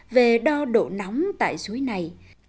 về đo độ nóng tại suối này